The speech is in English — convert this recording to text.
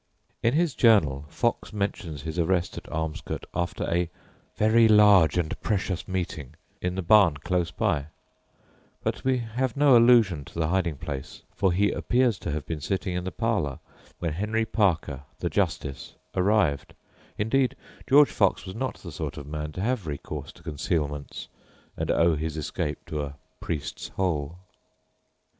In his journal Fox mentions his arrest at Armscot after a "very large and precious meeting" in the barn close by; but we have no allusion to the hiding place, for he appears to have been sitting in the parlour when Henry Parker, the Justice, arrived indeed, George Fox was not the sort of man to have recourse to concealments, and owe his escape to a "priest's hole."